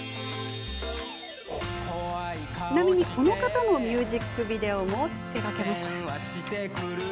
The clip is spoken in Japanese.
ちなみにこの方のミュージックビデオも手がけました。